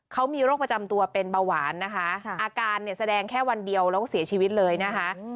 เขามีโรคประจำตัวเป็นเบาหวานนะคะอาการเนี่ยแสดงแค่วันเดียวแล้วก็เสียชีวิตเลยนะคะ